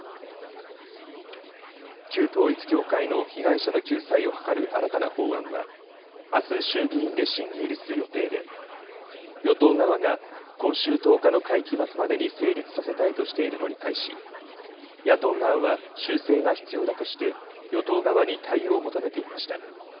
旧統一教会の被害者の救済を図る新たな法案はあす衆議院で審議入りする予定で与党側が今週１０日の会期末までに成立させたいとしているのに対し野党側は修正が必要だとして与党側に対応を求めていました。